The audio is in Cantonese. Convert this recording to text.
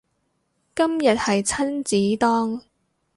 今晚係親子丼